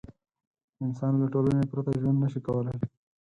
انسان له ټولنې پرته ژوند نه شي کولی.